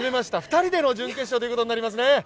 ２人での準決勝進出ということになりましたね。